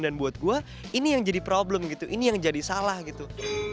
buat gue ini yang jadi problem gitu ini yang jadi salah gitu